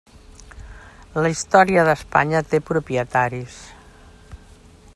La història d'Espanya té propietaris.